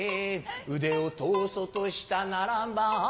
腕を通そうとしたならば